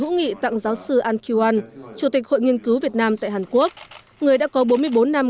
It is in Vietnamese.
hữu nghị tặng giáo sư ahn ki won chủ tịch hội nghiên cứu việt nam tại hàn quốc người đã có bốn mươi bốn năm